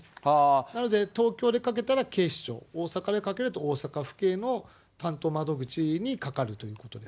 なので、東京でかけたら警視庁、大阪でかけたら大阪府警の担当窓口にかかるということですね。